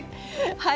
はい。